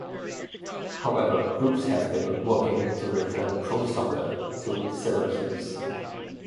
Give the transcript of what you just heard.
However, groups have been working to return pro soccer to Syracuse.